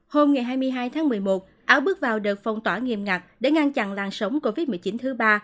hôm hai mươi hai tháng một mươi một áo bước vào đợt phong tỏa nghiêm ngặt để ngăn chặn làn sóng covid một mươi chín thứ ba